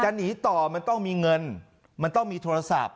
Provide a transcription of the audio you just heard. หนีต่อมันต้องมีเงินมันต้องมีโทรศัพท์